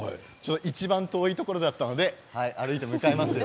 いちばん遠いところだったので歩いて向かいますよ。